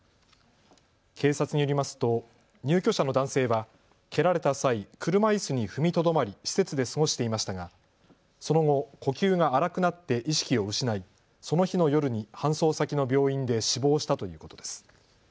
警察によりますと入居者の男性は蹴られた際、車いすに踏みとどまり施設で過ごしていましたがその後、呼吸が荒くなって意識を失い、その日の夜に搬送先の病院で死亡したということです。